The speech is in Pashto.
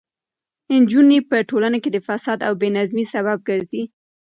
نجونې په ټولنه کې د فساد او بې نظمۍ سبب ګرځي.